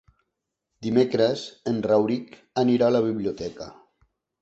Dimecres en Rauric anirà a la biblioteca.